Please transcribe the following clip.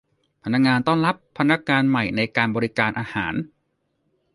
พนักงานต้อนรับพนักงานใหม่ในการบริการอาหาร